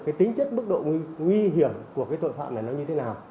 cái tính chất mức độ nguy hiểm của cái tội phạm này nó như thế nào